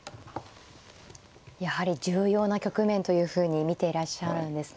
やはり重要な局面というふうに見ていらっしゃるんですね。